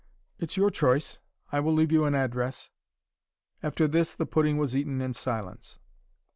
"It's your choice. I will leave you an address." After this, the pudding was eaten in silence.